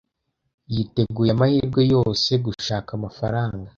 Yiteguye amahirwe yose yo gushaka amafaranga.